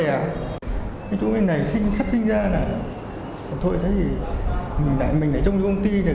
cái chỗ này xích xích ra nè thôi thế thì mình ở trong cái công ty này